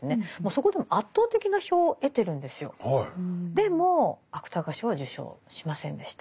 でも芥川賞は受賞しませんでした。